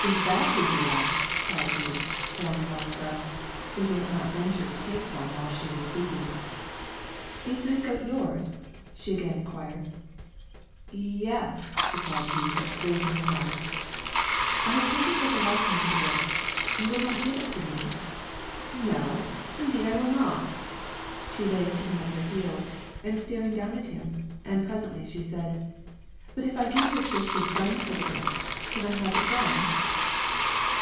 "Is that who you are?" cried he, drawing a long breath, for he had not ventured to take one while she was speaking. "Is this goat yours?" she again inquired. "Ye es!" replied he, raising his eyes. "I have taken such a liking to the goat; you will not give it to me?" "No, indeed I will not." She lay kicking up her heels and staring down at him, and presently she said: "But if I give you a twisted bun for the goat, can I have it then?"